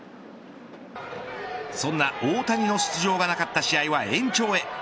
そんな大谷の出場がなかった試合は延長へ。